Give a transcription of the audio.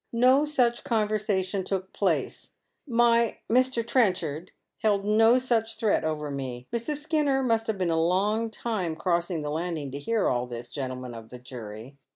No such con versation took place. Sly Mr. Trenchard held no such threat over me. Mrs. Slanner must have been a long time crossing the landing to bear all this, gentlemen of the jury.